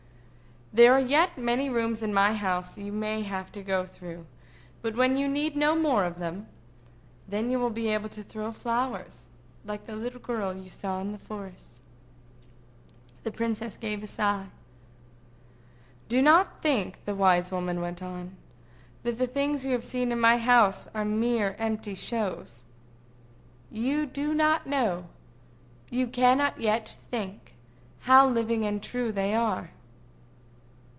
There are yet many rooms in my house you may have to go through; but when you need no more of them, then you will be able to throw flowers like the little girl you saw in the forest." The princess gave a sigh. "Do not think," the wise woman went on, "that the things you have seen in my house are mere empty shows. You do not know, you cannot yet think, how living and true they are.